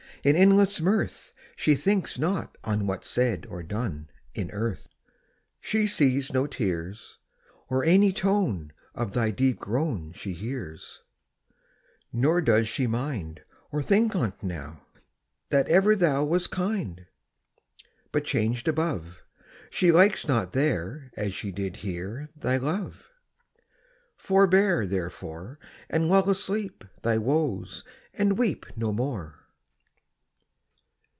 In endless mirth, She thinks not on What's said or done In earth: She sees no tears, Or any tone Of thy deep groan She hears; Nor does she mind, Or think on't now, That ever thou Wast kind: But changed above, She likes not there, As she did here, Thy love. Forbear, therefore, And lull asleep Thy woes, and weep No more.